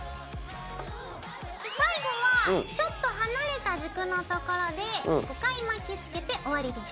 最後はちょっと離れた軸のところで５回巻きつけて終わりです。